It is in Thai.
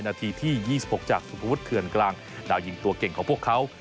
นาทีที่๒๖จากสุภวุฒิเถื่อนกลางดาวยิงตัวเก่งของพวกเขา